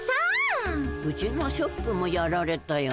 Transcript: うちのショップもやられたよ。